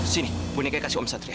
sini boneka kasih om satria